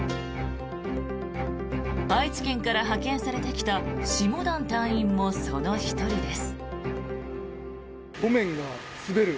愛知県から派遣されてきた下團隊員もその１人です。